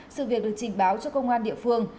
sự việc được trình báo cho công an địa phương